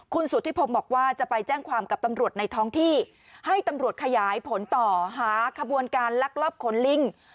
คุณสุธิพงศ์บอกว่าจะไปแจ้งความกับตำรวจในท้องที่ให้ตำรวจขยายผลต่อหาขบวนการลักลอบขนลิง